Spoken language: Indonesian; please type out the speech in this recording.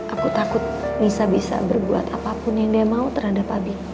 aku takut misa bisa berbuat apapun yang dia mau terhadap abi